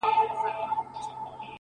• هلته د ژوند تر آخري سرحده؛